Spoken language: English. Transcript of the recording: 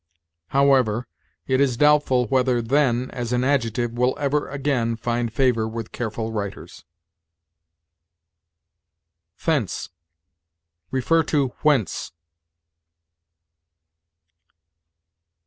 However, it is doubtful whether then, as an adjective, will ever again find favor with careful writers. THENCE. See WHENCE.